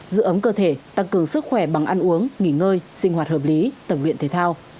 giữ ấm cơ thể tăng cường sức khỏe bằng ăn uống nghỉ ngơi sinh hoạt hợp lý tập luyện thể thao